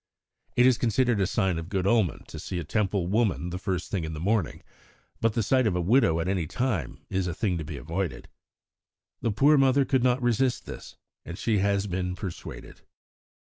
(It is considered a sign of good omen to see a Temple woman the first thing in the morning; but the sight of a widow at any time is a thing to be avoided.) The poor mother could not resist this, and she has been persuaded."